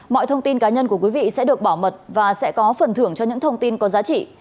mọi thông tin cá nhân của quý vị sẽ được bảo mật và sẽ có phần thưởng cho những thông tin có giá trị